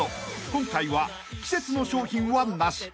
今回は季節の商品はなし］